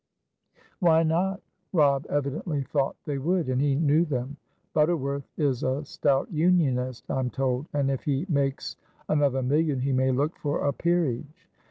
"Why not? Robb evidently thought they would, and he knew them. Butterworth is a stout Unionist, I'm told, and if he makes another million he may look for a peerage.